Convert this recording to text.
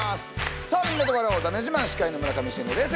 さあみんなで笑おうだめ自慢司会の村上信五です。